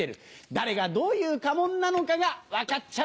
誰がどういう家紋なのかが分かっちゃうよ。